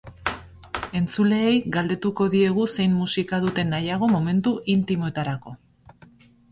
Entzuleei galdetuko diegu zein musika duten nahiago momentu intimoetarako.